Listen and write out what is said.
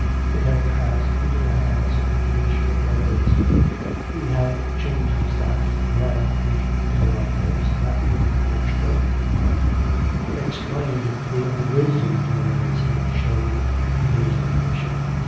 It had passed into the hands of M. Darres; he had changed the staff; he had refused her articles, that was the extraordinary part; explained the unwisdom Darres had showed in his editorship.